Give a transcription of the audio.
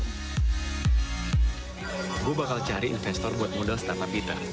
saya akan mencari investor untuk modal startup kita